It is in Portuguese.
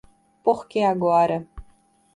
Porque agora